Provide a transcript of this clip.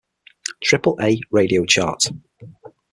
Triple A Radio chart.